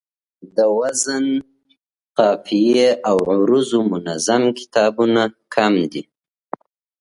د وزن، قافیې او عروضو منظم کتابونه کم دي